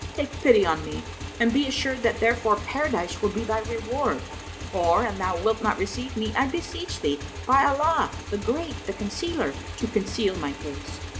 Take pity on me and be assured that therefor Paradise will be thy reward; or, an thou wilt not receive me, I beseech thee, by Allah the Great, the Concealer, to conceal my case!"